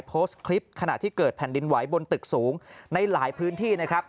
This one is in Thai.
โพสต์คลิปขณะที่เกิดแผ่นดินไหวบนตึกสูงในหลายพื้นที่นะครับ